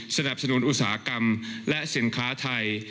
สนับสนุนอุตสาหกรรมและสินค้าไทย